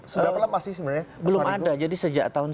seberapa lemah sih sebenarnya mas wadigu